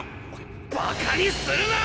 バカにするな！